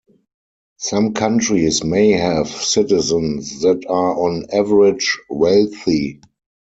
Some countries may have citizens that are on average wealthy.